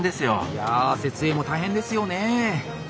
いやあ設営も大変ですよね。